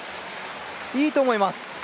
いいと思います！